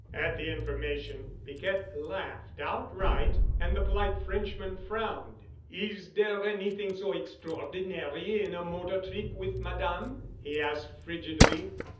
At the information, Piquette laughed outright and the polite Frenchman frowned. "Is there anything so extraordinary in a motor trip with Madame?" he asked frigidly.